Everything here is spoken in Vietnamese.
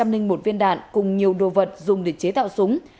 ba trăm linh linh một viên đạn cùng nhiều đồ vật dùng để chế tạo súng